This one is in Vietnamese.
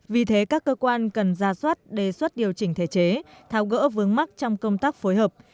vì thế các cơ quan cần ra soát đề xuất điều chỉnh thể chế thao gỡ vướng mắt trong công tác phối hợp